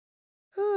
うん？